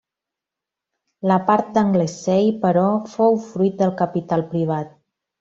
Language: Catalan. La part d'Anglesey, però, fou fruit del capital privat.